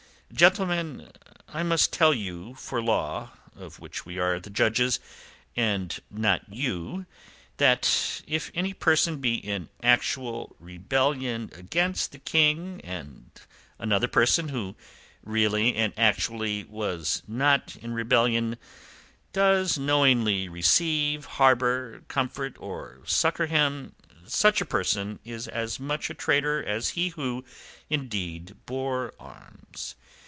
"Gentlemen, I must tell you for law, of which we are the judges, and not you, that if any person be in actual rebellion against the King, and another person who really and actually was not in rebellion does knowingly receive, harbour, comfort, or succour him, such a person is as much a traitor as he who indeed bore arms.